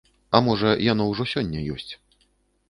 А можа яно ўжо сёння ёсць.